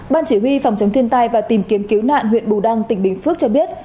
ban chỉ huy phòng chống thiên tai và tìm kiếm cứu nạn huyện bù đăng tỉnh bình phước cho biết